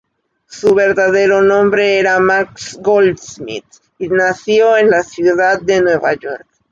Su verdadero nombre era Max Goldsmith y nació en la ciudad de Nueva York.